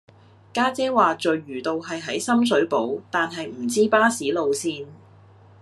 家姐話聚魚道係喺深水埗但係唔知巴士路線